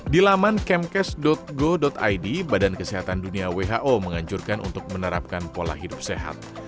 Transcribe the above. di laman kemkes go id badan kesehatan dunia who menganjurkan untuk menerapkan pola hidup sehat